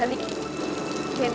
dia bilang bapak udah berubah